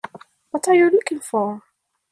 What are you looking for?